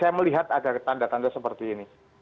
saya melihat ada tanda tanda seperti ini